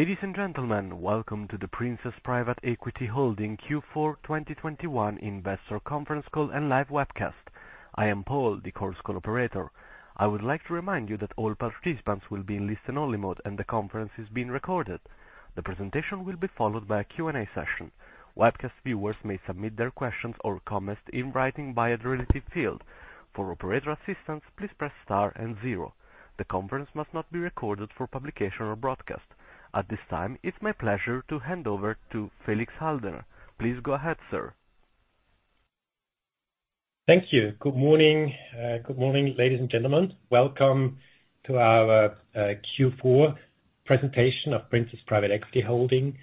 Ladies and gentlemen, welcome to the Princess Private Equity Holding Q4 2021 investor conference call and live webcast. I am Paul, the Chorus Call operator. I would like to remind you that all participants will be in listen only mode and the conference is being recorded. The presentation will be followed by a Q and A session. Webcast viewers may submit their questions or comments in writing by the related field. For operator assistance, please press star and zero. The conference must not be recorded for publication or broadcast. At this time, it's my pleasure to hand over to Felix Haldner. Please go ahead, sir. Thank you. Good morning. Good morning, ladies and gentlemen. Welcome to our Q4 presentation of Princess Private Equity Holding.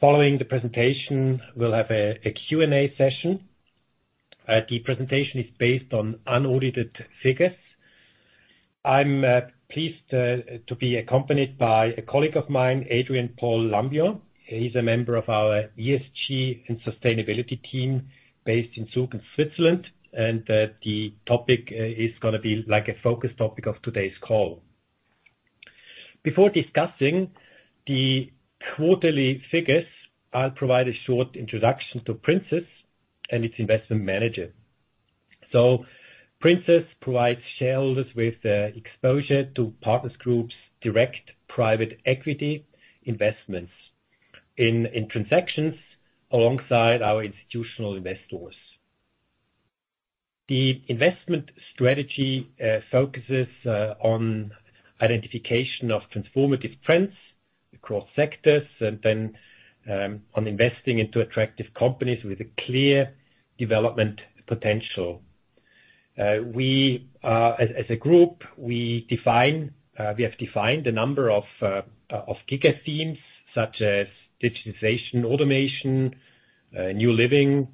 Following the presentation, we'll have a Q and A session. The presentation is based on unaudited figures. I'm pleased to be accompanied by a colleague of mine, Adrien-Paul Lambillon. He's a member of our ESG and sustainability team based in Zug, Switzerland, and the topic is gonna be like a focus topic of today's call. Before discussing the quarterly figures, I'll provide a short introduction to Princess and its investment manager. Princess provides shareholders with the exposure to Partners Group's direct private equity investments in transactions alongside our institutional investors. The investment strategy focuses on identification of transformative trends across sectors and then on investing into attractive companies with a clear development potential. As a group, we have defined a number of giga themes such as digitization, automation, new living,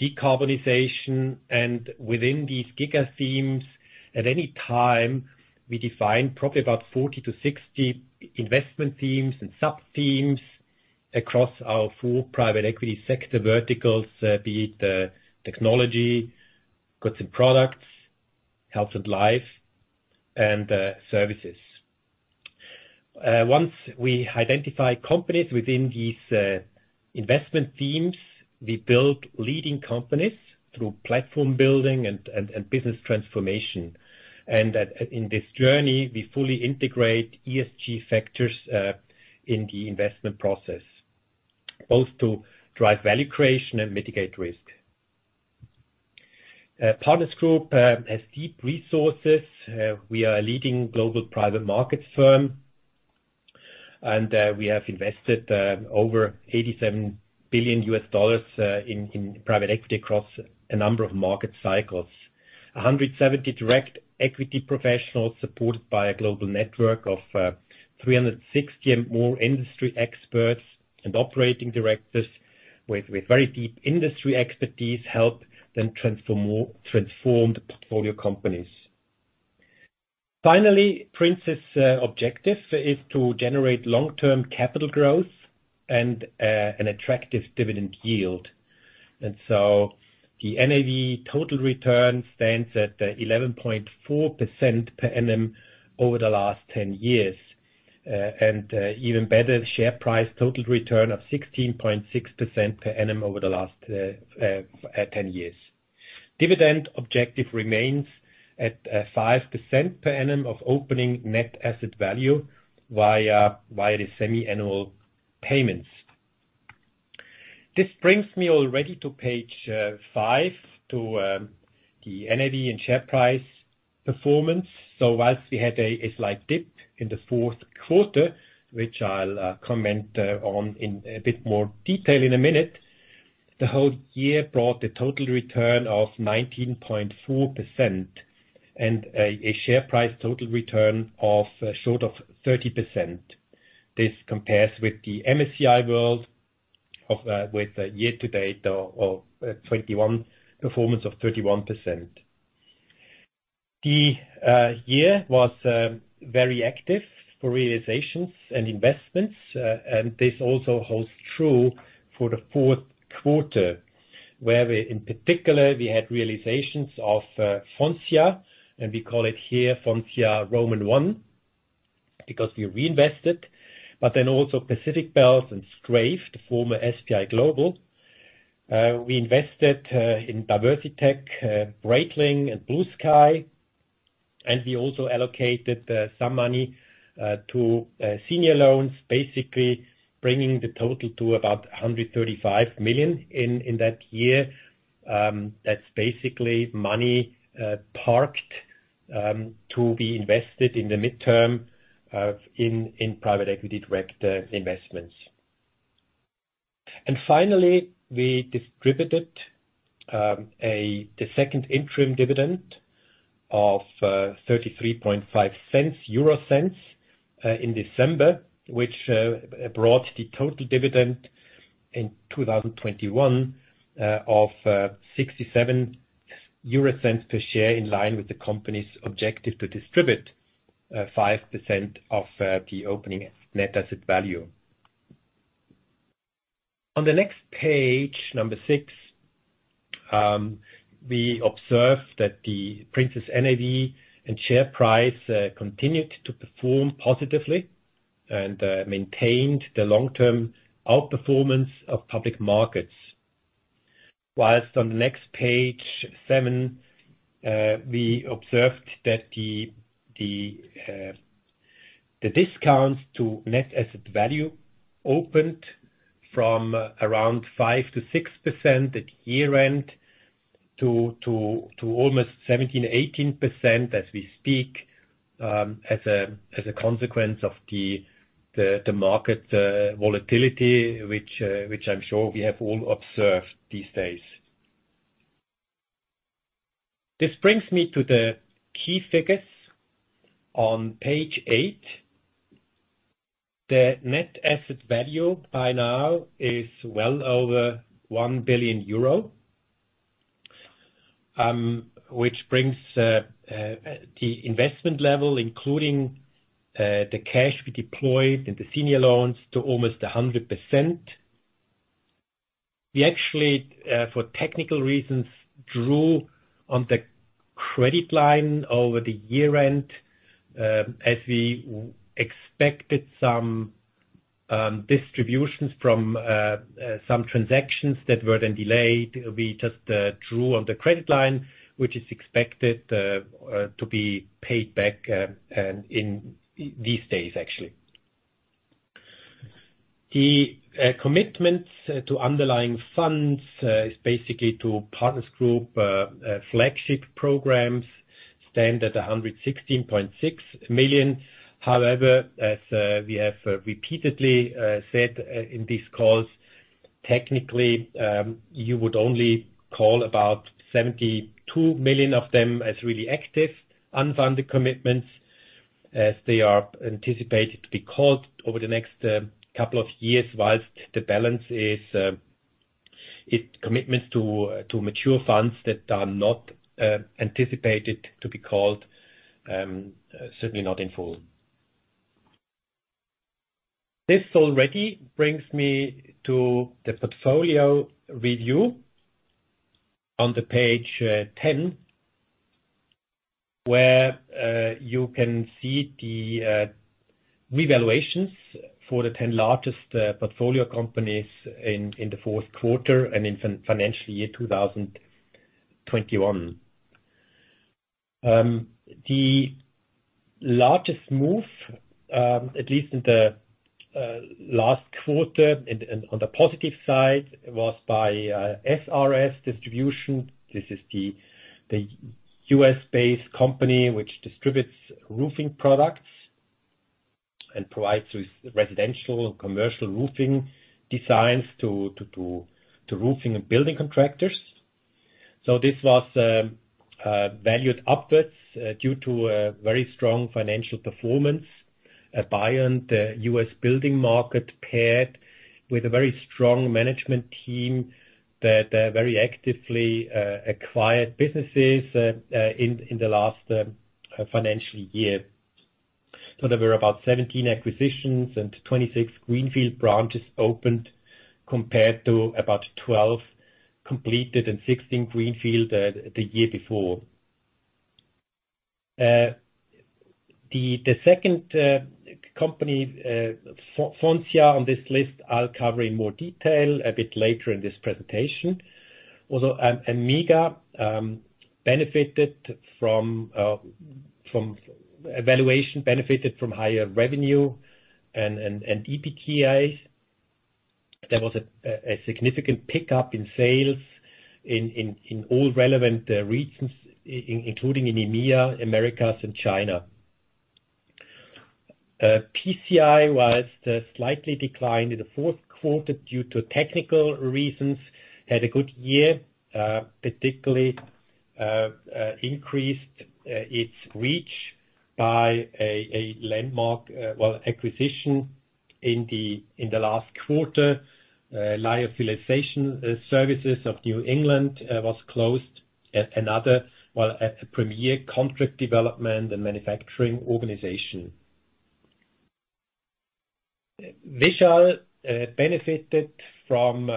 decarbonization. Within these giga themes at any time, we define probably about 40-60 investment themes and sub-themes across our full private equity sector verticals, be it technology, goods and products, health and life, and services. Once we identify companies within these investment themes, we build leading companies through platform building and business transformation. In this journey, we fully integrate ESG factors in the investment process, both to drive value creation and mitigate risk. Partners Group has deep resources. We are a leading global private markets firm, and we have invested over $87 billion in private equity across a number of market cycles. 170 direct equity professionals supported by a global network of 360 or more industry experts and operating directors with very deep industry expertise help them transform the portfolio companies. Finally, Princess's objective is to generate long-term capital growth and an attractive dividend yield. The NAV total return stands at 11.4% per annum over the last 10 years. Even better, share price total return of 16.6% per annum over the last 10 years. Dividend objective remains at 5% per annum of opening net asset value via the semi-annual payments. This brings me already to page five to the NAV and share price performance. Whilst we had a slight dip in the fourth quarter, which I'll comment on in a bit more detail in a minute, the whole year brought a total return of 19.4% and a share price total return short of 30%. This compares with the MSCI World with a year to date performance of 31%. The year was very active for realizations and investments and this also holds true for the fourth quarter, where in particular we had realizations of Foncia, and we call it here Foncia round one, because we reinvested, but then also Pacific Bells and Straive, the former SPi Global. We invested in DiversiTech, Breitling and BluSky, and we also allocated some money to senior loans, basically bringing the total to about 135 million in that year. That's basically money parked to be invested in the midterm in private equity direct investments. Finally, we distributed the second interim dividend of 0.335 in December, which brought the total dividend in 2021 of 0.67 per share in line with the company's objective to distribute 5% of the opening net asset value. On the next page, number six, we observe that the Princess NAV and share price continued to perform positively and maintained the long-term outperformance of public markets. While on the next page, seven, we observed that the discount to net asset value opened from around 5%-6% at year-end to almost 17%-18% as we speak, as a consequence of the market volatility, which I'm sure we have all observed these days. This brings me to the key figures on page eight. The net asset value by now is well over 1 billion euro, which brings the investment level, including the cash we deployed in the senior loans to almost 100%. We actually, for technical reasons, drew on the credit line over the year-end, as we expected some distributions from some transactions that were then delayed. We just drew on the credit line, which is expected to be paid back in these days, actually. The commitments to underlying funds is basically to Partners Group flagship programs stand at 116.6 million. However, as we have repeatedly said in these calls, technically, you would only call about 72 million of them as really active unfunded commitments as they are anticipated to be called over the next couple of years, while the balance is commitments to mature funds that are not anticipated to be called, certainly not in full. This already brings me to the portfolio review on page 10, where you can see the revaluations for the 10 largest portfolio companies in the fourth quarter and in financial year 2021. The largest move, at least in the last quarter and on the positive side, was by SRS Distribution. This is the U.S.-based company which distributes roofing products and provides with residential and commercial roofing designs to roofing and building contractors. This was valued upwards due to a very strong financial performance, a buy on the U.S. building market paired with a very strong management team that very actively acquired businesses in the last financial year. There were about 17 acquisitions and 26 greenfield branches opened compared to about 12 completed and 16 greenfield the year before. The second company, Foncia on this list, I'll cover in more detail a bit later in this presentation. AMMEGA benefited from valuation, higher revenue and EBITDA. There was a significant pickup in sales in all relevant regions, including in EMEA, Americas and China. PCI slightly declined in the fourth quarter due to technical reasons. It had a good year, particularly increased its reach by a landmark acquisition in the last quarter, Lyophilization Services of New England, a premier contract development and manufacturing organization. Vishal benefited from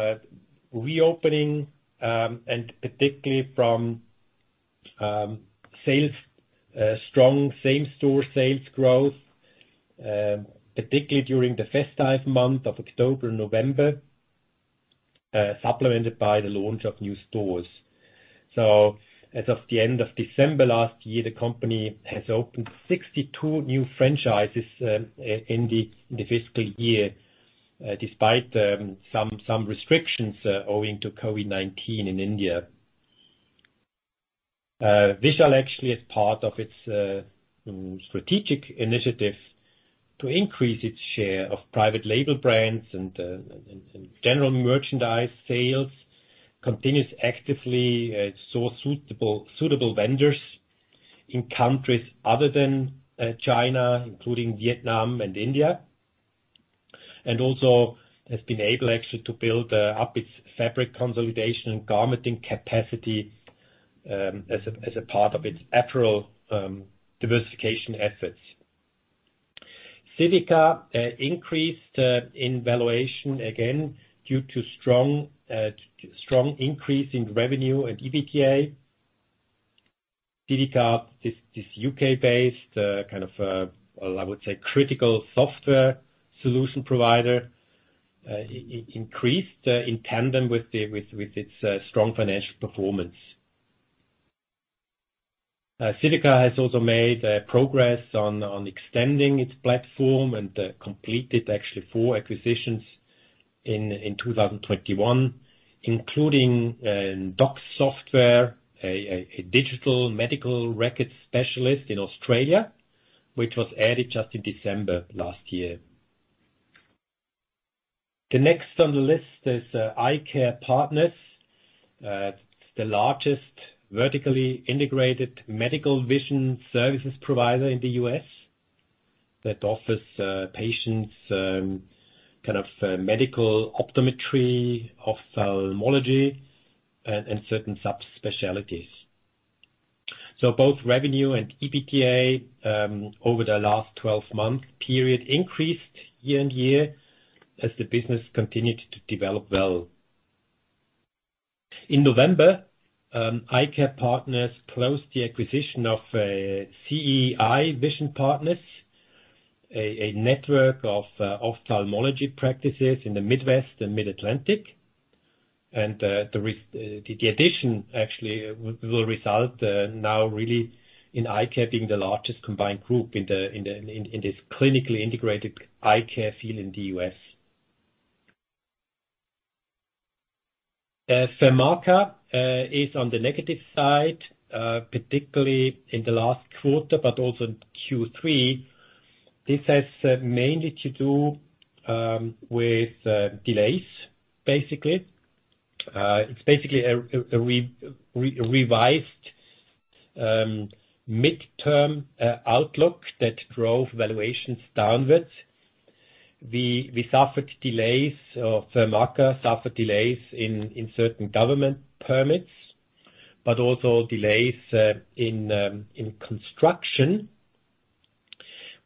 reopening and particularly from strong same store sales growth, particularly during the festive month of October, November, supplemented by the launch of new stores. As of the end of December last year, the company has opened 62 new franchises in the fiscal year, despite some restrictions owing to COVID-19 in India. Vishal actually, as part of its strategic initiative to increase its share of private label brands and general merchandise sales, continues actively to source suitable vendors in countries other than China, including Vietnam and India. Also has been able actually to build up its fabric consolidation and garmenting capacity as a part of its apparel diversification efforts. Civica increased in valuation again due to strong increase in revenue and EBITDA. Civica is U.K.-based kind of well I would say critical software solution provider. Its valuation increased in tandem with its strong financial performance. Civica has also made progress on extending its platform and completed actually four acquisitions in 2021, including DXC, a digital medical record specialist in Australia, which was added just in December last year. The next on the list is EyeCare Partners. It's the largest vertically integrated medical vision services provider in the U.S. that offers patients kind of medical optometry, ophthalmology and certain sub-specialties. Both revenue and EBITDA over the last 12-month period increased year-over-year as the business continued to develop well. In November, EyeCare Partners closed the acquisition of CEI Vision Partners, a network of ophthalmology practices in the Midwest and Mid-Atlantic. The addition actually will result now really in EyeCare Partners being the largest combined group in this clinically integrated eye care field in the U.S. Fermaca is on the negative side, particularly in the last quarter, but also in Q3. This has mainly to do with delays, basically. It's basically a revised midterm outlook that drove valuations downwards. We suffered delays or Fermaca suffered delays in certain government permits, but also delays in construction.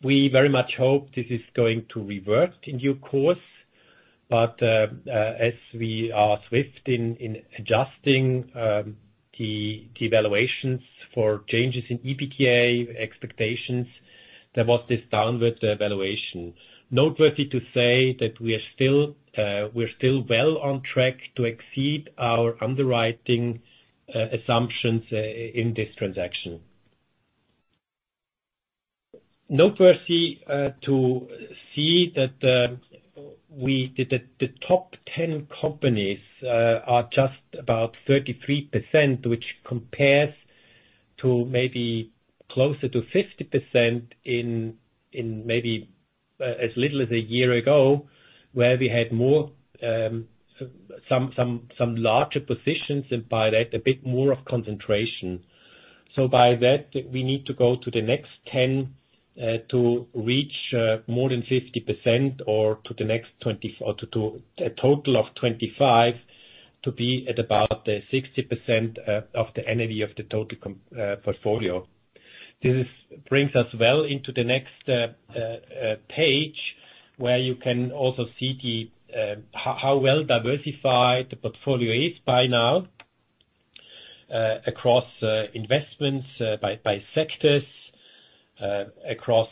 We very much hope this is going to revert in due course. As we are swift in adjusting the valuations for changes in EBITDA expectations, there was this downward valuation. Noteworthy to say that we are still well on track to exceed our underwriting assumptions in this transaction. Noteworthy to see that the top 10 companies are just about 33%, which compares to maybe closer to 50% in maybe as little as a year ago, where we had more some larger positions, and by that a bit more of concentration. By that, we need to go to the next 10 to reach more than 50% or to the next 20 or to a total of 25 to be at about 60% of the NAV of the total portfolio. This brings us well into the next page, where you can also see how well diversified the portfolio is by now across investments by sectors, across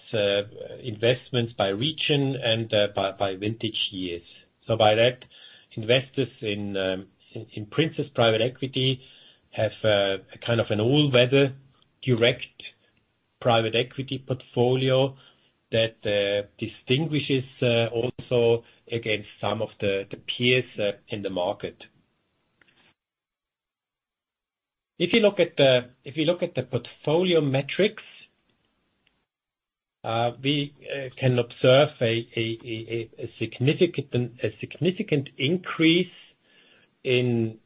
investments by region and by vintage years. By that, investors in Princess Private Equity have a kind of an all-weather direct private equity portfolio that distinguishes also against some of the peers in the market. If you look at the portfolio metrics, we can observe a significant increase in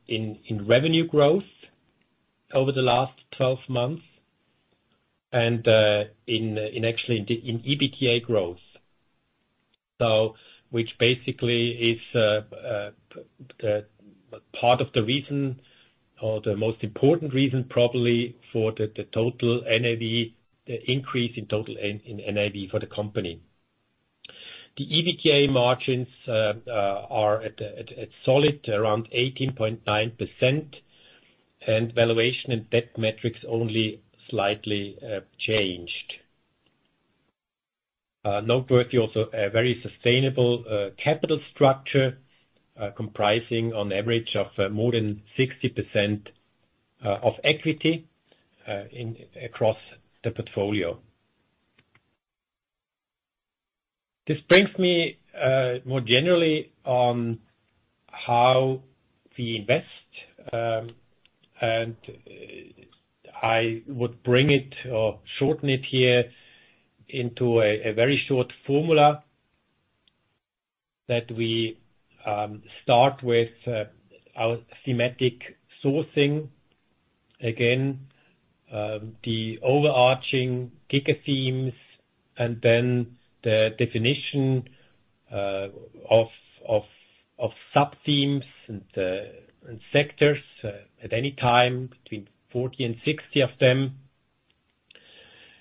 revenue growth over the last 12 months, and actually in the EBITDA growth, which basically is part of the reason or the most important reason probably for the increase in total NAV for the company. The EBITDA margins are at solid around 18.9%, and valuation and debt metrics only slightly changed. Noteworthy also a very sustainable capital structure, comprising on average of more than 60% of equity across the portfolio. This brings me more generally on how we invest, and I would bring it or shorten it here into a very short formula that we start with our thematic sourcing. Again, the overarching giga themes and then the definition of sub-themes and sectors at any time between 40 and 60 of them,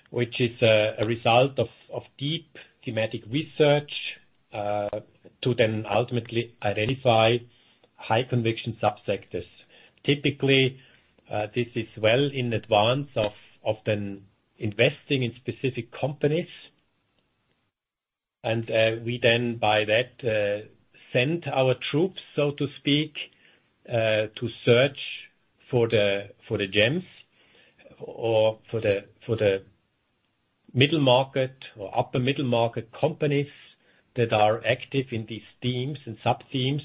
which is a result of deep thematic research to then ultimately identify high conviction subsectors. Typically, this is well in advance of then investing in specific companies. We then by that send our troops, so to speak, to search for the gems or for the middle market or upper middle market companies that are active in these themes and sub-themes.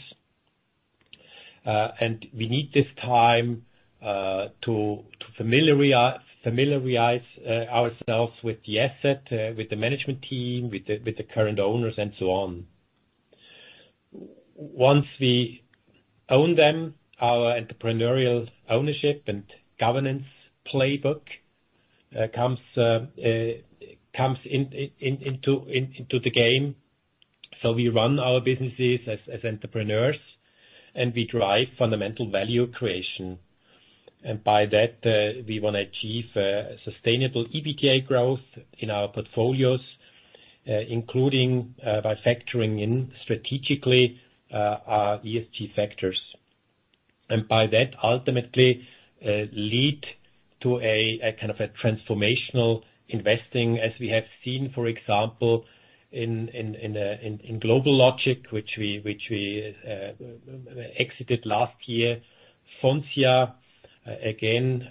We need this time to familiarize ourselves with the asset, with the management team, with the current owners and so on. Once we own them, our entrepreneurial ownership and governance playbook comes into the game. We run our businesses as entrepreneurs, and we drive fundamental value creation. By that, we wanna achieve sustainable EBITDA growth in our portfolios, including by factoring in strategically our ESG factors. By that, ultimately lead to a kind of transformational investing as we have seen, for example, in GlobalLogic, which we exited last year. Foncia, again,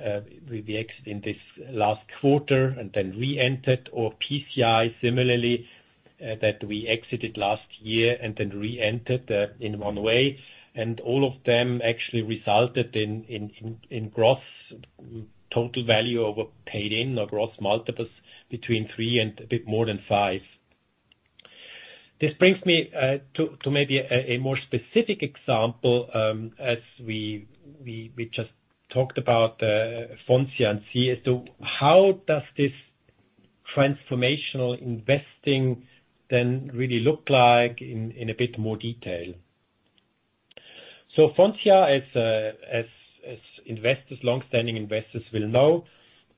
we exit in this last quarter and then reentered, or PCI similarly, that we exited last year and then reentered, in one way. All of them actually resulted in gross total value over paid in or gross multiples between three and a bit more than five. This brings me to maybe a more specific example, as we just talked about, Foncia and PCI as to how does this transformational investing then really look like in a bit more detail. Foncia, as investors, long-standing investors will know,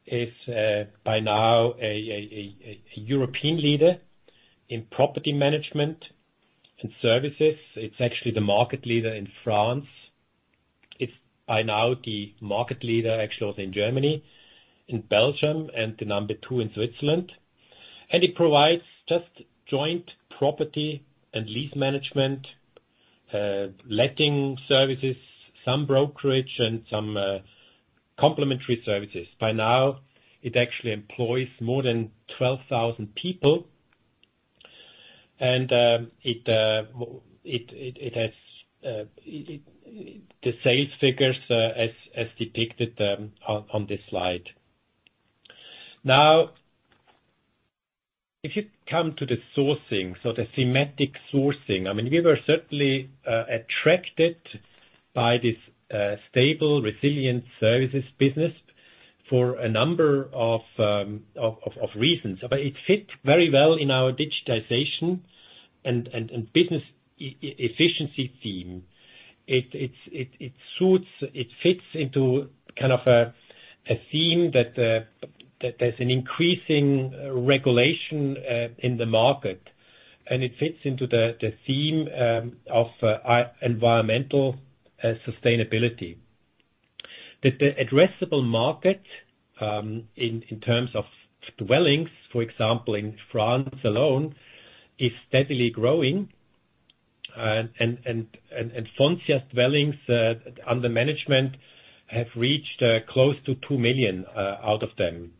is by now a European leader in property management and services. It's actually the market leader in France. It's by now the market leader actually also in Germany, in Belgium, and the number two in Switzerland. It provides just joint property and lease management, letting services, some brokerage and some complimentary services. By now, it actually employs more than 12,000 people. It has the sales figures as depicted on this slide. Now, if you come to the sourcing, the thematic sourcing, I mean, we were certainly attracted by this stable, resilient services business for a number of reasons. It fit very well in our digitization and business efficiency theme. It fits into kind of a theme that there's an increasing regulation in the market, and it fits into the theme of environmental sustainability. The addressable market in terms of dwellings, for example, in France alone, is steadily growing. Foncia's dwellings under management have reached close to 2 million out of them.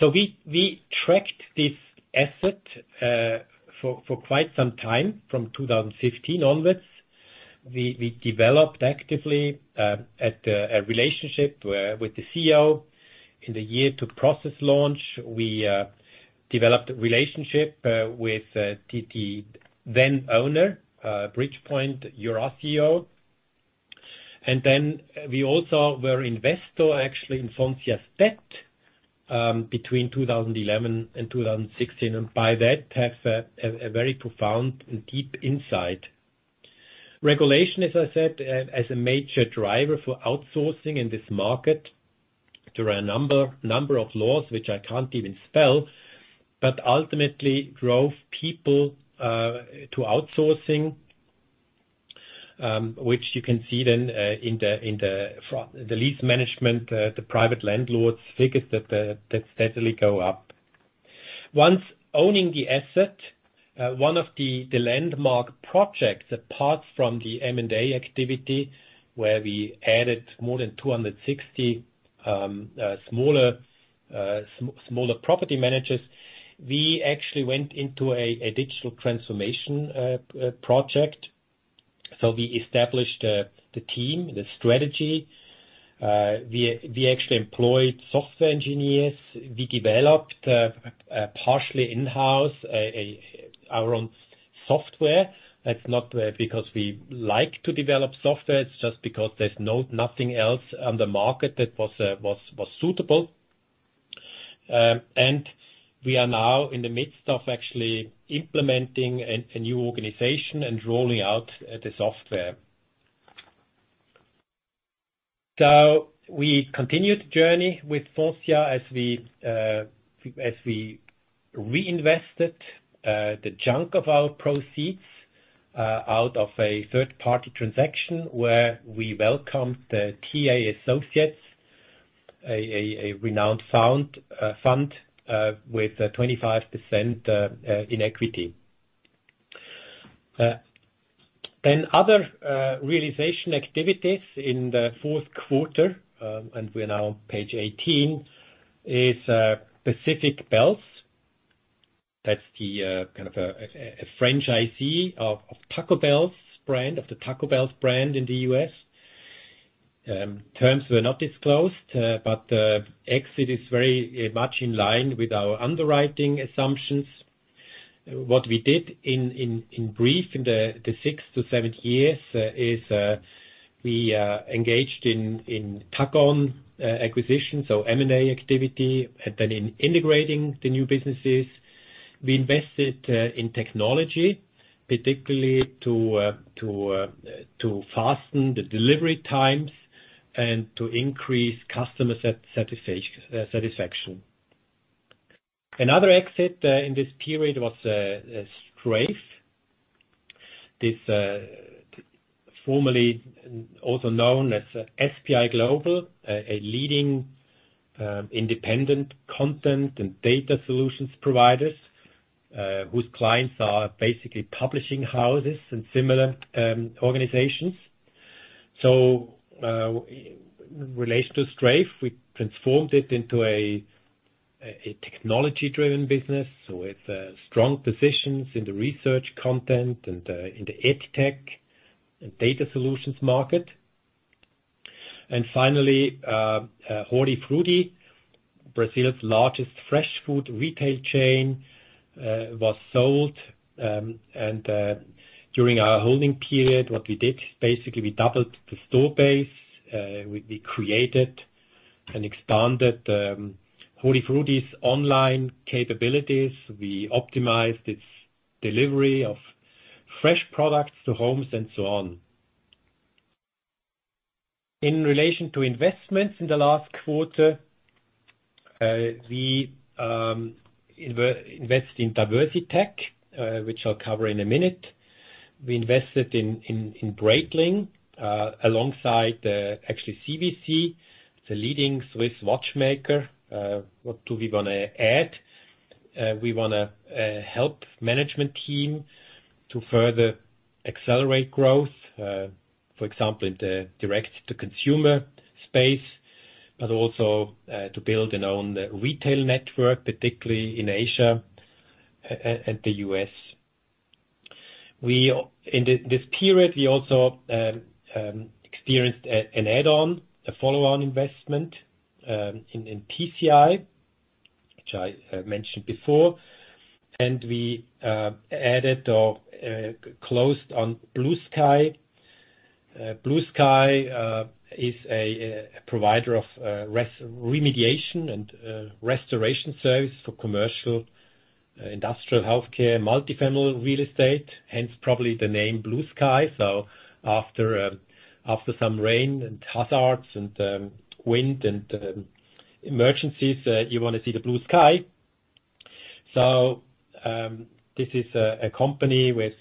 We tracked this asset for quite some time, from 2015 onwards. We developed actively a relationship with the CEO. In the year to process launch, we developed a relationship with the then owner, Bridgepoint and Eurazeo. Then we also were investor actually in Foncia's debt between 2011 and 2016, and by that have a very profound and deep insight. Regulation, as I said, is a major driver for outsourcing in this market. There are a number of laws which I can't even spell, but ultimately drove people to outsourcing, which you can see then in the lease management, the private landlords figures that steadily go up. Once owning the asset, one of the landmark projects apart from the M&A activity, where we added more than 260 smaller property managers, we actually went into a digital transformation project. We established the team, the strategy. We actually employed software engineers. We developed partially in-house our own software. That's not because we like to develop software, it's just because there's nothing else on the market that was suitable. We are now in the midst of actually implementing a new organization and rolling out the software. We continued the journey with Foncia as we reinvested the chunk of our proceeds out of a third-party transaction where we welcomed TA Associates, a renowned fund, with a 25% in equity. Then other realization activities in the fourth quarter, and we're now on page 18, is Pacific Bells. That's the kind of a franchisee of Taco Bell's brand, of the Taco Bell brand in the U.S. Terms were not disclosed, but the exit is very much in line with our underwriting assumptions. What we did in brief in the six to seven years is we engaged in tuck-in acquisitions, so M&A activity. In integrating the new businesses, we invested in technology, particularly to hasten the delivery times and to increase customer satisfaction. Another exit in this period was Straive. This, formerly also known as SPi Global, a leading independent content and data solutions provider, whose clients are basically publishing houses and similar organizations. In relation to Straive, we transformed it into a technology-driven business with strong positions in the research content and in the EdTech and data solutions market. Finally, Hortifruti, Brazil's largest fresh food retail chain, was sold. During our holding period, what we did, basically, we doubled the store base. We created and expanded Hortifruti's online capabilities. We optimized its delivery of fresh products to homes and so on. In relation to investments in the last quarter, we invested in DiversiTech, which I'll cover in a minute. We invested in Breitling, alongside actually CVC, the leading Swiss watchmaker. What do we wanna add? We wanna help management team to further accelerate growth, for example, in the direct to consumer space, but also, to build an own retail network, particularly in Asia, and the U.S. In this period, we also experienced an add-on, a follow-on investment in PCI, which I mentioned before. We added or closed on BluSky. BluSky is a provider of remediation and restoration service for commercial, industrial, healthcare, multifamily real estate, hence probably the name BluSky. After some rain and hazards and wind and emergencies, you wanna see the blue sky. This is a company with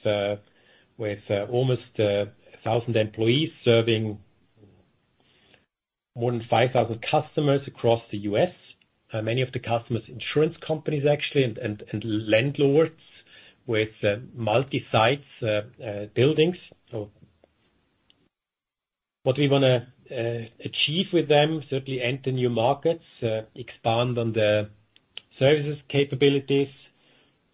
almost 1,000 employees serving more than 5,000 customers across the U.S. Many of the customers, insurance companies actually and landlords with multi-site buildings. What we wanna achieve with them, certainly enter new markets, expand on the services capabilities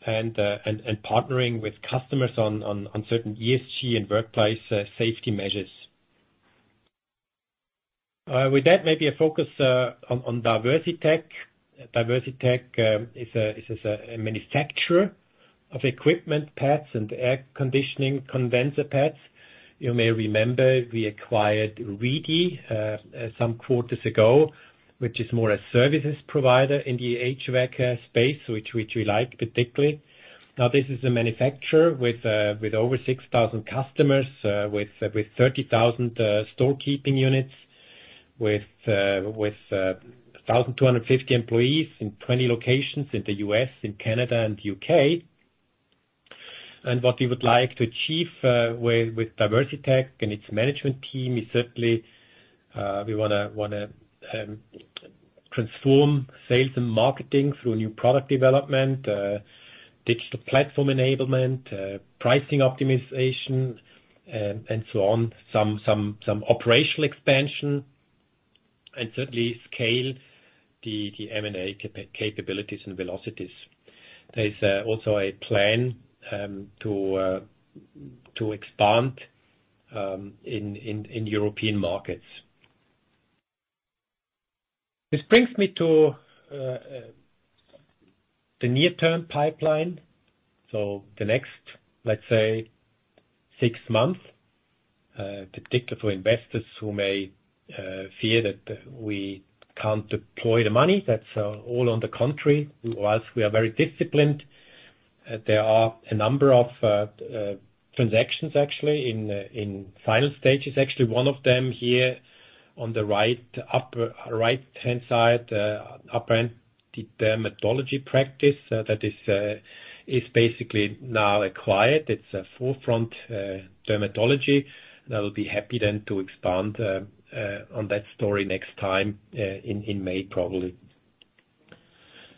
and partnering with customers on certain ESG and workplace safety measures. With that, maybe a focus on DiversiTech. DiversiTech is a manufacturer of equipment pads and air conditioning condenser pads. You may remember we acquired Reedy some quarters ago, which is more a services provider in the HVAC space, which we like particularly. Now, this is a manufacturer with over 6,000 customers, with 30,000 stock keeping units, with 1,250 employees in 20 locations in the U.S., Canada and U.K. What we would like to achieve with DiversiTech and its management team is certainly, we wanna transform sales and marketing through new product development, digital platform enablement, pricing optimization, and so on, some operational expansion, and certainly scale the M&A capabilities and velocities. There's also a plan to expand in European markets. This brings me to the near-term pipeline, so the next, let's say six months, particularly for investors who may fear that we can't deploy the money, that's all on the contrary, while we are very disciplined, there are a number of transactions actually in final stages. Actually, one of them here on the right-hand side, Forefront Dermatology practice, that is basically now acquired. It's Forefront Dermatology, and I will be happy then to expand on that story next time, in May, probably.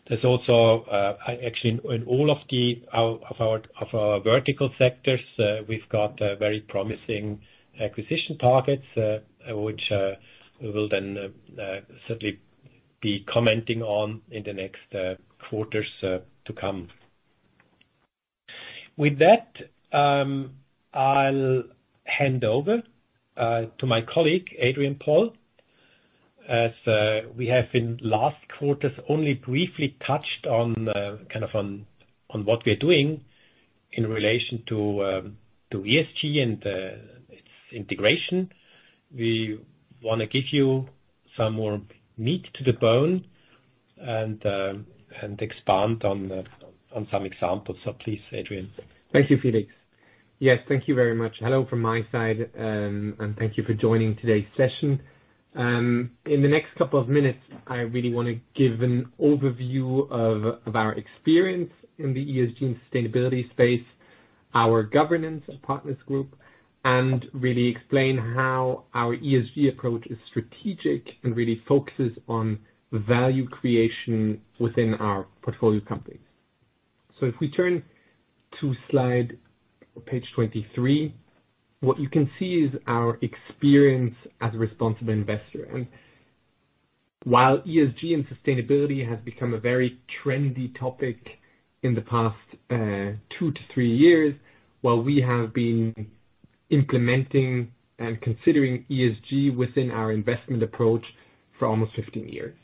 There's also, actually in all of our vertical sectors, we've got very promising acquisition targets, which we will then certainly be commenting on in the next quarters to come. With that, I'll hand over to my colleague, Adrien-Paul. As we have in last quarters, only briefly touched on kind of on what we are doing in relation to ESG and its integration. We wanna give you some more meat to the bone and expand on some examples. So please, Adrien. Thank you, Felix. Yes, thank you very much. Hello from my side, and thank you for joining today's session. In the next couple of minutes, I really wanna give an overview of our experience in the ESG and sustainability space, our governance at Partners Group, and really explain how our ESG approach is strategic and really focuses on value creation within our portfolio companies. If we turn to slide page 23, what you can see is our experience as a responsible investor. While ESG and sustainability has become a very trendy topic in the past two to three years, while we have been implementing and considering ESG within our investment approach for almost 15 years.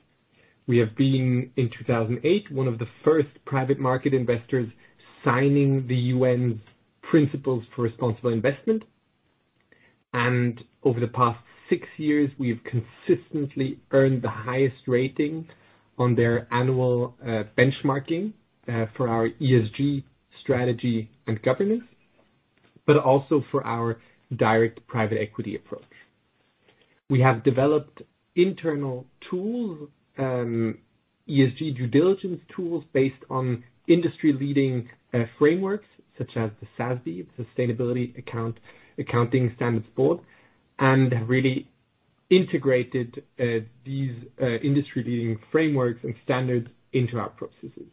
We have been, in 2008, one of the first private market investors signing the UN's Principles for Responsible Investment. Over the past six years, we've consistently earned the highest rating on their annual benchmarking for our ESG strategy and governance, but also for our direct private equity approach. We have developed internal tools, ESG due diligence tools based on industry-leading frameworks such as the SASB, Sustainability Accounting Standards Board, and really integrated these industry-leading frameworks and standards into our processes.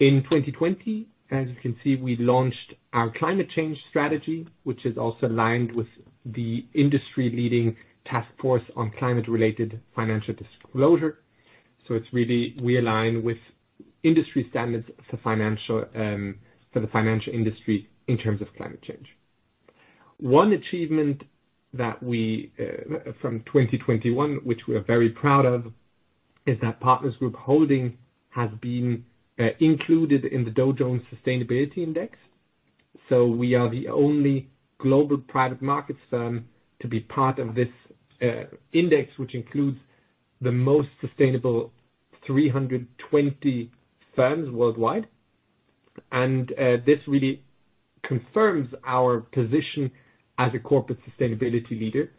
In 2020, as you can see, we launched our climate change strategy, which is also aligned with the industry-leading Task Force on Climate-related Financial Disclosures. It's really we align with industry standards for financial, for the financial industry in terms of climate change. One achievement that we from 2021, which we are very proud of is that Partners Group Holding AG has been included in the Dow Jones Sustainability Indices. We are the only global private markets firm to be part of this index, which includes the most sustainable 320 firms worldwide. This really confirms our position as a corporate sustainability leader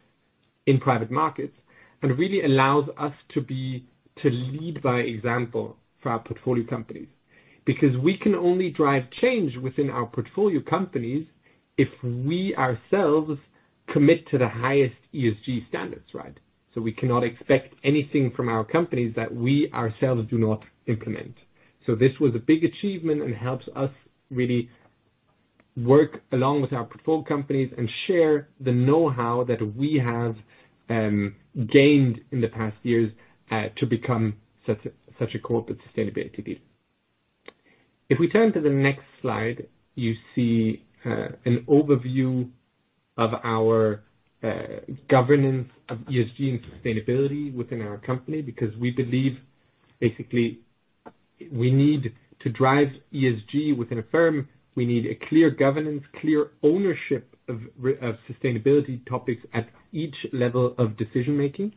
in private markets and really allows us to lead by example for our portfolio companies, because we can only drive change within our portfolio companies if we ourselves commit to the highest ESG standards, right? We cannot expect anything from our companies that we ourselves do not implement. This was a big achievement and helps us really work along with our portfolio companies and share the know-how that we have gained in the past years to become such a corporate sustainability leader. If we turn to the next slide, you see an overview of our governance of ESG and sustainability within our company, because we believe basically we need to drive ESG within a firm. We need a clear governance, clear ownership of sustainability topics at each level of decision-making.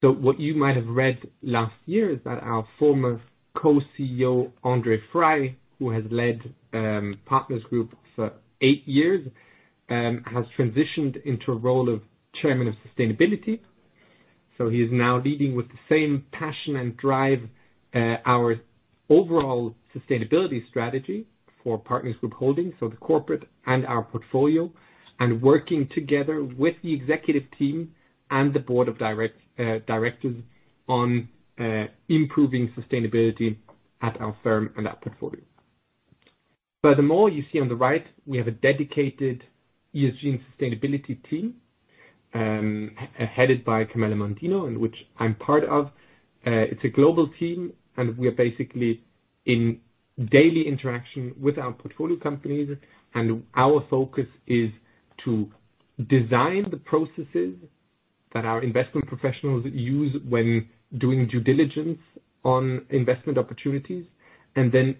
What you might have read last year is that our former Co-CEO, André Frei, who has led Partners Group for eight years, has transitioned into a role of Chairman of Sustainability. He's now leading with the same passion and drive our overall sustainability strategy for Partners Group Holding, so the corporate and our portfolio, and working together with the executive team and the board of directors on improving sustainability at our firm and our portfolio. Furthermore, you see on the right, we have a dedicated ESG and sustainability team headed by Carmela Mondino, and which I'm part of. It's a global team, and we are basically in daily interaction with our portfolio companies. Our focus is to design the processes that our investment professionals use when doing due diligence on investment opportunities and then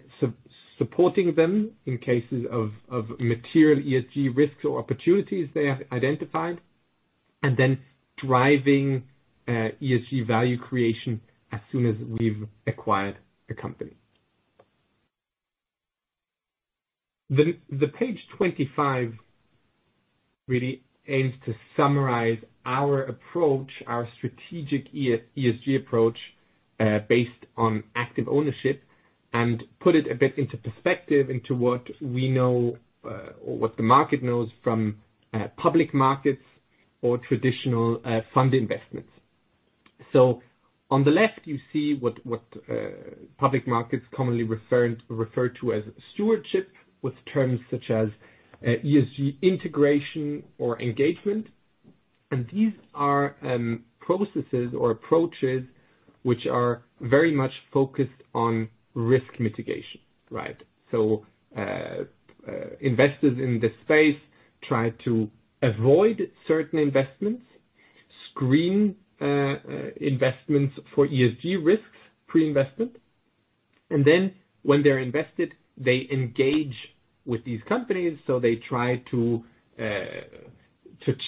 supporting them in cases of material ESG risks or opportunities they have identified, and then driving ESG value creation as soon as we've acquired a company. The page 25 really aims to summarize our approach, our strategic ESG approach based on active ownership and put it a bit into perspective into what we know or what the market knows from public markets or traditional fund investments. On the left, you see what public markets commonly refer to as stewardship, with terms such as ESG integration or engagement. These are processes or approaches which are very much focused on risk mitigation, right? Investors in this space try to avoid certain investments, screen investments for ESG risks, pre-investment. Then when they're invested, they engage with these companies, so they try to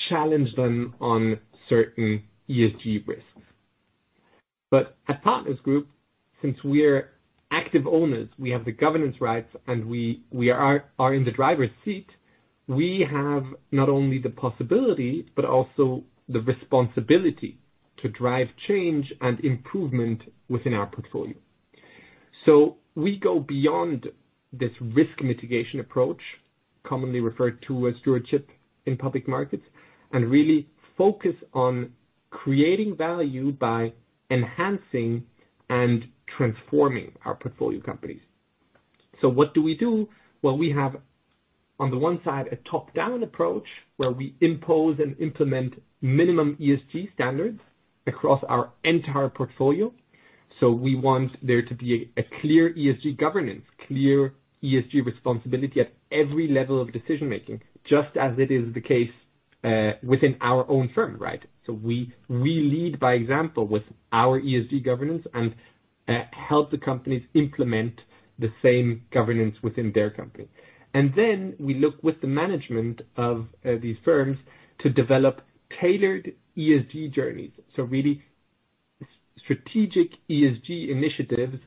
challenge them on certain ESG risks. At Partners Group, since we're active owners, we have the governance rights, and we are in the driver's seat. We have not only the possibility but also the responsibility to drive change and improvement within our portfolio. We go beyond this risk mitigation approach, commonly referred to as stewardship in public markets, and really focus on creating value by enhancing and transforming our portfolio companies. What do we do? Well, we have, on the one side, a top-down approach, where we impose and implement minimum ESG standards across our entire portfolio. We want there to be a clear ESG governance, clear ESG responsibility at every level of decision-making, just as it is the case within our own firm, right? We lead by example with our ESG governance and help the companies implement the same governance within their company. Then we look with the management of these firms to develop tailored ESG journeys. Really strategic ESG initiatives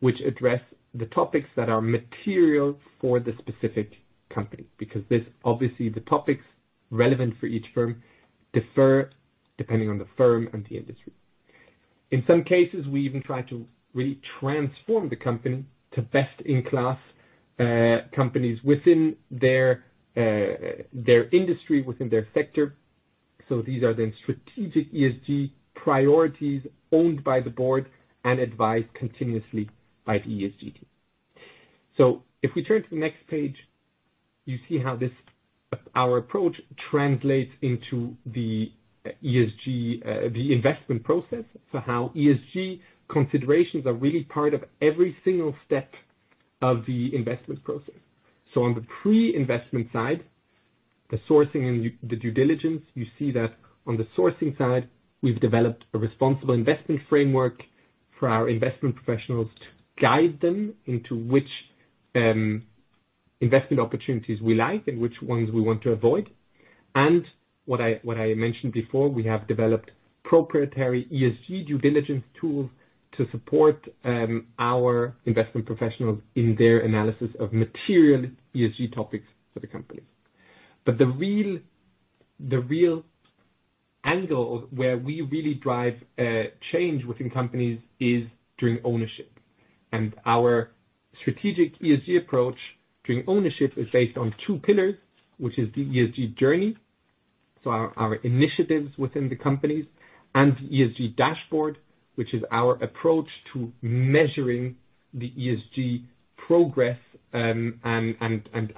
which address the topics that are material for the specific company. Because there's obviously the topics relevant for each firm defer depending on the firm and the industry. In some cases, we even try to really transform the company to best-in-class companies within their their industry, within their sector. These are then strategic ESG priorities owned by the board and advised continuously by the ESG team. If we turn to the next page, you see how this, our approach translates into the ESG the investment process. How ESG considerations are really part of every single step of the investment process. On the pre-investment side, the sourcing and the due diligence, you see that on the sourcing side, we've developed a responsible investment framework for our investment professionals to guide them into which investment opportunities we like and which ones we want to avoid. What I mentioned before, we have developed proprietary ESG due diligence tools to support our investment professionals in their analysis of material ESG topics for the company. The real angle where we really drive change within companies is during ownership. Our strategic ESG approach during ownership is based on two pillars, which is the ESG journey, so our initiatives within the companies, and ESG dashboard, which is our approach to measuring the ESG progress and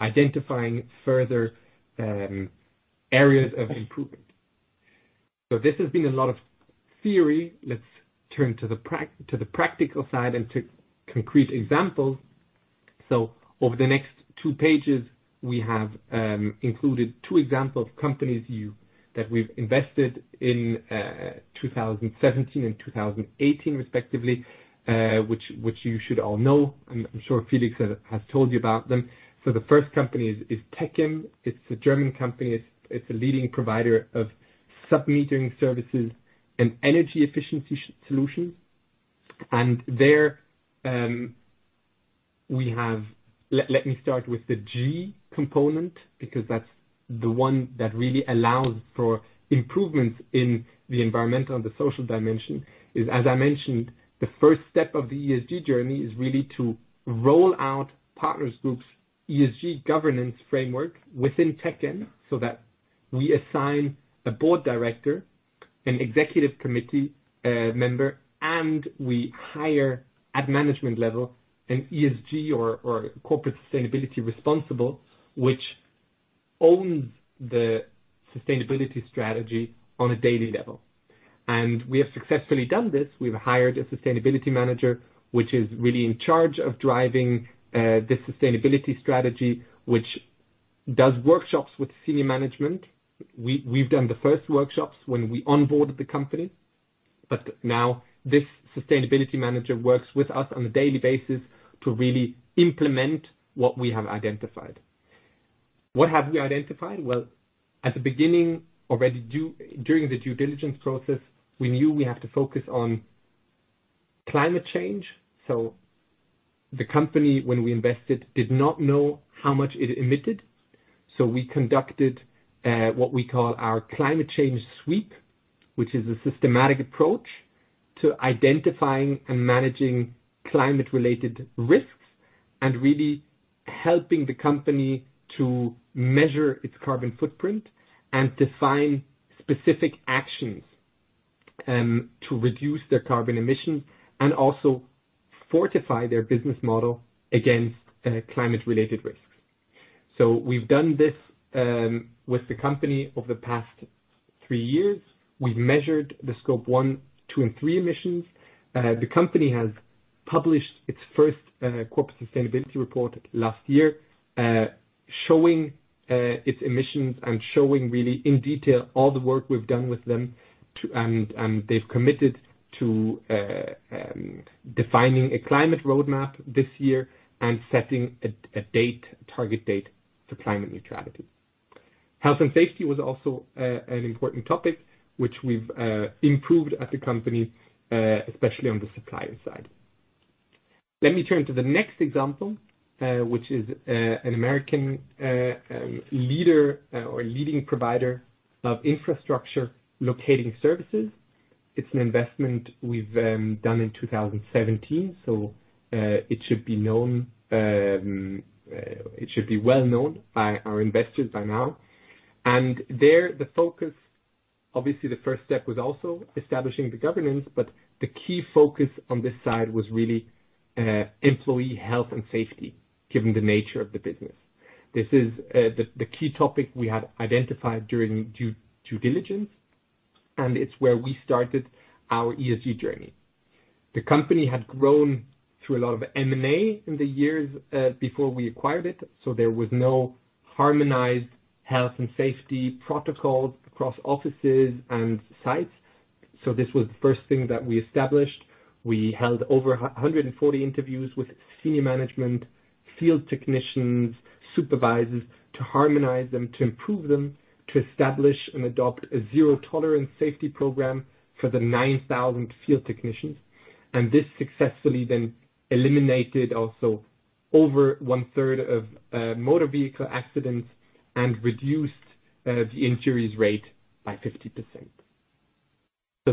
identifying further areas of improvement. This has been a lot of theory. Let's turn to the practical side and to concrete examples. Over the next two pages, we have included two examples of companies that we've invested in 2017 and 2018 respectively, which you should all know. I'm sure Felix has told you about them. The first company is Techem. It's a German company. It's a leading provider of sub-metering services and energy efficiency solutions. There, we have. Let me start with the G component because that's the one that really allows for improvements in the environmental and the social dimension. It is, as I mentioned, the first step of the ESG journey is really to roll out Partners Group's ESG governance framework within Techem, so that we assign a board director, an executive committee member, and we hire at management level an ESG or corporate sustainability responsible, which owns the sustainability strategy on a daily level. We have successfully done this. We've hired a sustainability manager, which is really in charge of driving the sustainability strategy, which does workshops with senior management. We've done the first workshops when we onboarded the company, but now this sustainability manager works with us on a daily basis to really implement what we have identified. What have we identified? Well, at the beginning, already during the due diligence process, we knew we have to focus on climate change. The company, when we invested, did not know how much it emitted. We conducted what we call our climate change sweep, which is a systematic approach to identifying and managing climate-related risks and really helping the company to measure its carbon footprint and define specific actions to reduce their carbon emissions and also fortify their business model against climate-related risks. We've done this with the company over the past three years. We've measured the Scope 1, 2 and 3 emissions. The company has published its first corporate sustainability report last year, showing its emissions and showing really in detail all the work we've done with them. They've committed to defining a climate roadmap this year and setting a target date for climate neutrality. Health and safety was also an important topic which we've improved at the company, especially on the supplier side. Let me turn to the next example, which is an American leading provider of infrastructure locating services. It's an investment we've done in 2017. It should be well known by our investors by now. Then the focus obviously the first step was also establishing the governance, but the key focus on this side was really, employee health and safety, given the nature of the business. This is the key topic we had identified during due diligence, and it's where we started our ESG journey. The company had grown through a lot of M&A in the years before we acquired it. There was no harmonized health and safety protocols across offices and sites. This was the first thing that we established. We held over 140 interviews with senior management, field technicians, supervisors, to harmonize them, to improve them, to establish and adopt a zero tolerance safety program for the 9,000 field technicians. This successfully then eliminated also over one-third of motor vehicle accidents and reduced the injuries rate by 50%.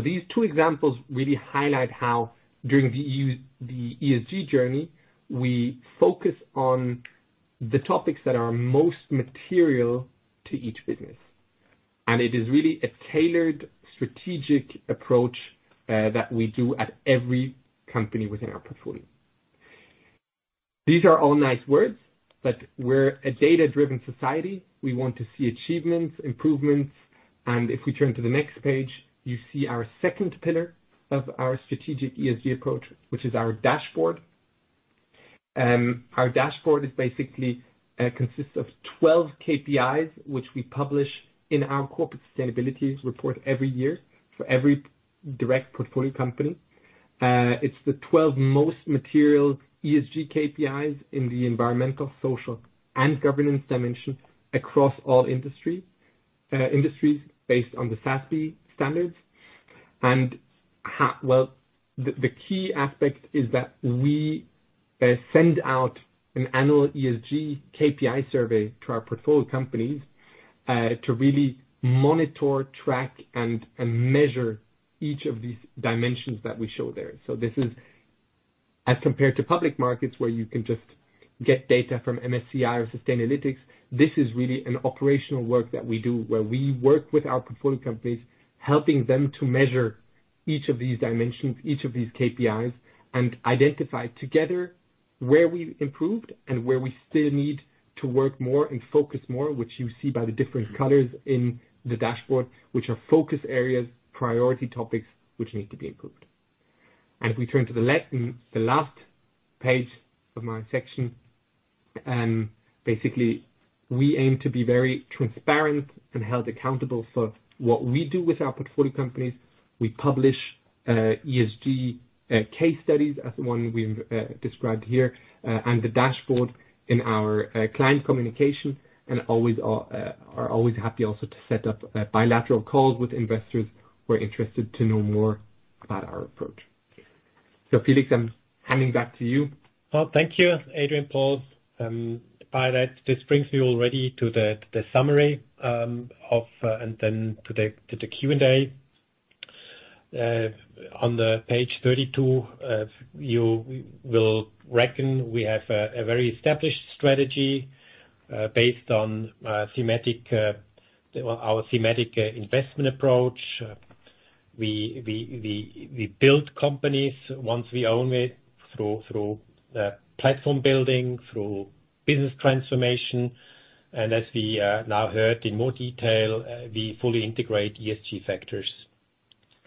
These two examples really highlight how during the ESG journey, we focus on the topics that are most material to each business. It is really a tailored strategic approach that we do at every company within our portfolio. These are all nice words, but we're a data-driven society. We want to see achievements, improvements, and if we turn to the next page, you see our second pillar of our strategic ESG approach, which is our dashboard. Our dashboard is basically consists of 12 KPIs, which we publish in our corporate sustainability report every year for every direct portfolio company. It's the 12 most material ESG KPIs in the environmental, social, and governance dimension across all industries based on the SASB standards. Well, the key aspect is that we send out an annual ESG KPI survey to our portfolio companies to really monitor, track, and measure each of these dimensions that we show there. This is as compared to public markets, where you can just get data from MSCI or Sustainalytics. This is really an operational work that we do where we work with our portfolio companies, helping them to measure each of these dimensions, each of these KPIs, and identify together where we've improved and where we still need to work more and focus more, which you see by the different colors in the dashboard, which are focus areas, priority topics which need to be improved. If we turn to the last page of my section, basically we aim to be very transparent and held accountable for what we do with our portfolio companies. We publish ESG case studies as the one we described here, and the dashboard in our client communication, and are always happy also to set up bilateral calls with investors who are interested to know more about our approach. Felix, I'm handing back to you. Well, thank you, Adrien-Paul. By that, this brings you already to the summary and then to the Q and A. On the page 32, you will recognize we have a very established strategy based on our thematic investment approach. We build companies once we own it through platform building, through business transformation. As we now heard in more detail, we fully integrate ESG factors.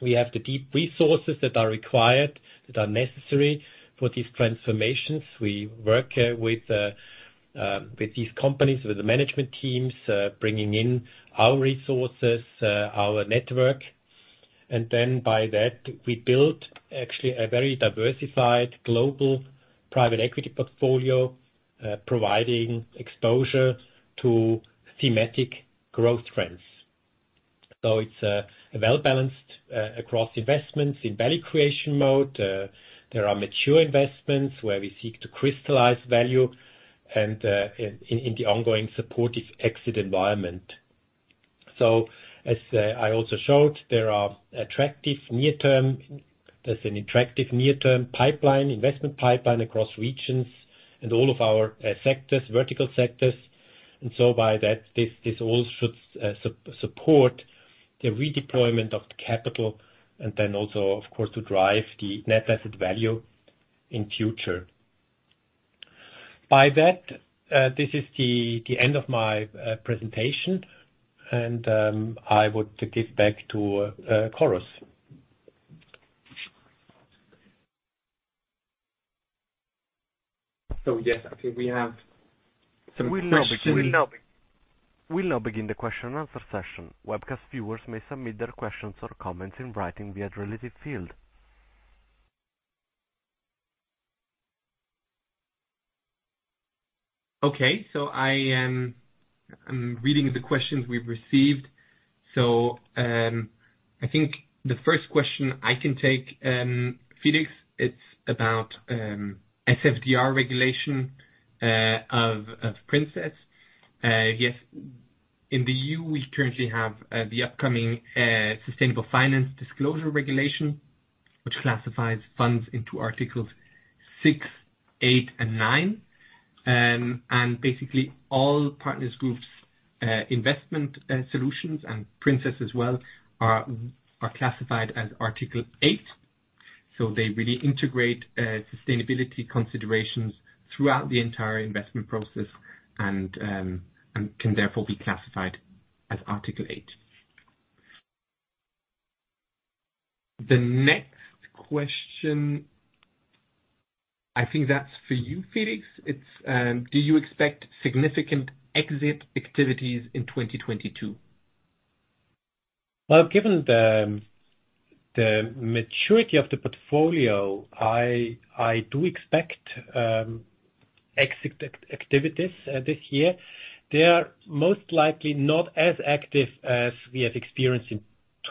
We have the deep resources that are required, that are necessary for these transformations. We work with these companies, with the management teams, bringing in our resources, our network. Then by that, we build actually a very diversified global private equity portfolio, providing exposure to thematic growth trends. It's well-balanced across investments in value creation mode. There are mature investments where we seek to crystallize value and in the ongoing supportive exit environment. As I also showed, there is an attractive near-term investment pipeline across regions and all of our sectors, vertical sectors. By that, this all should support the redeployment of the capital and then also of course to drive the net asset value in future. By that, this is the end of my presentation and I would give back to Chorus. Yes, I think we have some questions. We'll now begin the question and answer session. Webcast viewers may submit their questions or comments in writing via the related field. I'm reading the questions we've received. I think the first question I can take, Felix. It's about SFDR regulation of Princess. Yes. In the EU, we currently have the upcoming Sustainable Finance Disclosures Regulation, which classifies funds into Articles 6, 8, and 9. Basically all Partners Group's investment solutions and Princess as well are classified as Article 8. They really integrate sustainability considerations throughout the entire investment process and can therefore be classified as Article 8. The next question, I think that's for you, Felix. It's do you expect significant exit activities in 2022? Well, given the maturity of the portfolio, I do expect exit activities this year. They are most likely not as active as we have experienced in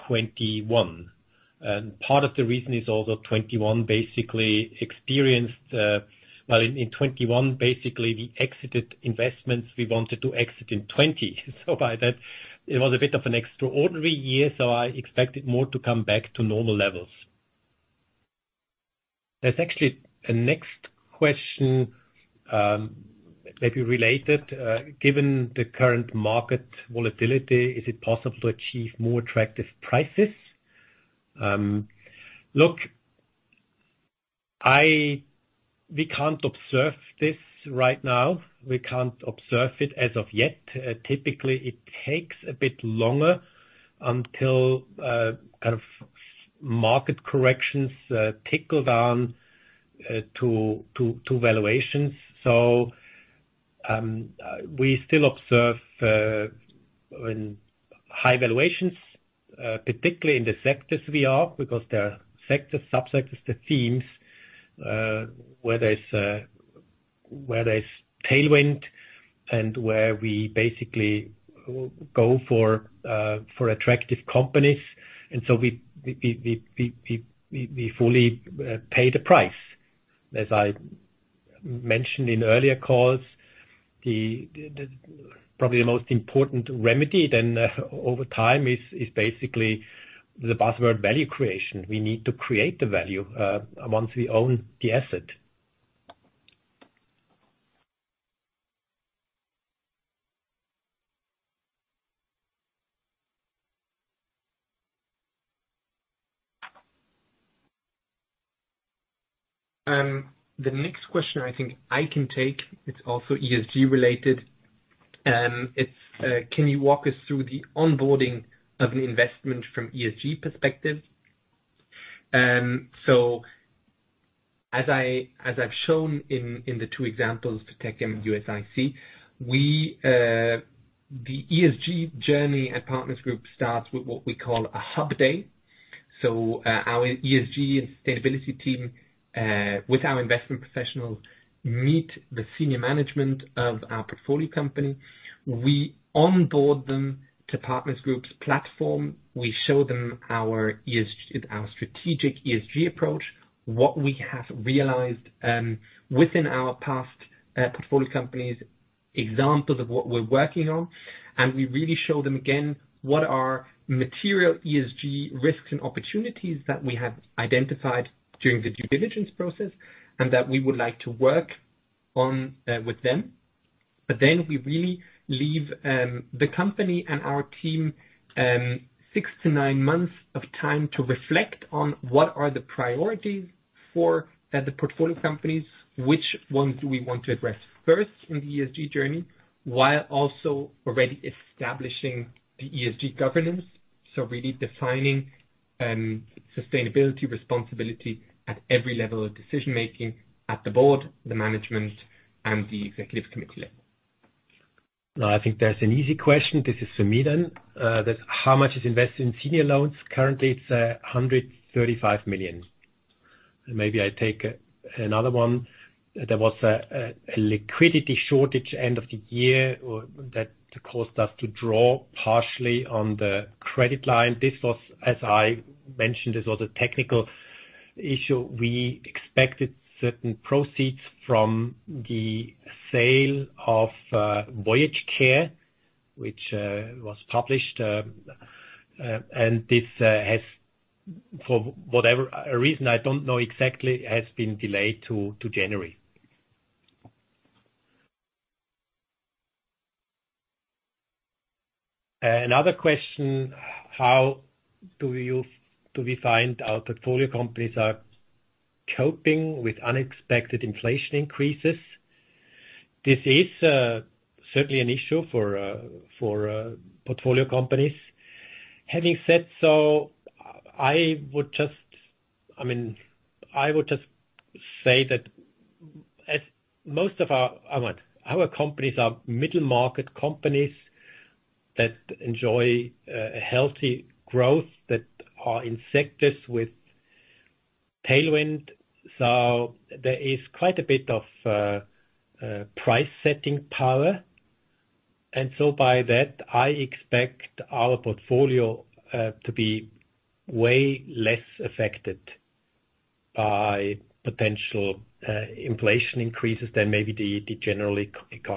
2021. Part of the reason is also 2021 basically experienced. In 2021, basically we exited investments we wanted to exit in 2020. So by that, it was a bit of an extraordinary year, so I expected more to come back to normal levels. There's actually a next question, maybe related. Given the current market volatility, is it possible to achieve more attractive prices? Look, we can't observe this right now. We can't observe it as of yet. Typically it takes a bit longer until kind of market corrections trickle down to valuations. We still observe high valuations particularly in the sectors we are because there are sectors, subsectors, the themes where there's tailwind and where we basically go for attractive companies. We fully pay the price. As I mentioned in earlier calls, probably the most important remedy then over time is basically the post-acquisition value creation. We need to create the value once we own the asset. The next question I think I can take, it's also ESG related. It's can you walk us through the onboarding of an investment from ESG perspective? As I've shown in the two examples, Techem and USIC, the ESG journey at Partners Group starts with what we call a hub day. Our ESG and sustainability team with our investment professionals meet the senior management of our portfolio company. We onboard them to Partners Group's platform. We show them our ESG. Our strategic ESG approach, what we have realized within our past portfolio companies, examples of what we're working on, and we really show them again what are material ESG risks and opportunities that we have identified during the due diligence process and that we would like to work on with them. We really leave the company and our team six to nine months of time to reflect on what are the priorities for the portfolio companies, which ones do we want to address first in the ESG journey, while also already establishing the ESG governance? Really defining sustainability responsibility at every level of decision-making at the board, the management, and the executive committee level. Now, I think that's an easy question. This is for me then. That's how much is invested in senior loans. Currently, it's 135 million. Maybe I take another one. There was a liquidity shortage end of the year that caused us to draw partially on the credit line. This was, as I mentioned, a technical issue. We expected certain proceeds from the sale of Voyage Care, which was published. This has, for whatever reason, I don't know exactly, been delayed to January. Another question: How do we find our portfolio companies are coping with unexpected inflation increases? This is certainly an issue for portfolio companies. Having said so, I mean, I would just say that as most of our... Our companies are middle-market companies that enjoy a healthy growth, that are in sectors with tailwind. There is quite a bit of price-setting power. By that, I expect our portfolio to be way less affected by potential inflation increases than maybe the general economy.